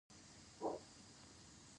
آیا د غوښې بیه لوړه شوې؟